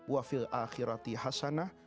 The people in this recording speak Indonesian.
wafil akhirati hasanah